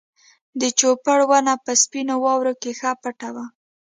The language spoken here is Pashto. د جوپر ونه په سپینو واورو کې ښه پټه وه.